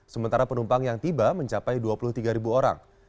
sementara penumpang yang tiba mencapai dua puluh tiga orang